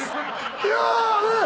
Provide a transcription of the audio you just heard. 「いやねっ。